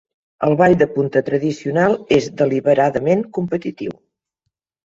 El ball de punta tradicional és deliberadament competitiu.